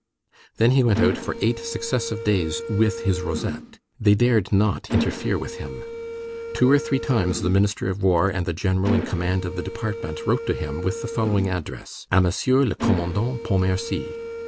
Then he went out for eight successive days with his rosette. They dared not interfere with him. Two or three times the Minister of War and the general in command of the department wrote to him with the following address: _"A Monsieur le Commandant Pontmercy."